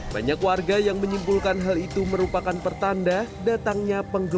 banyak warga yang menyimpulkan hal itu merupakan pertanda datangnya penggunaan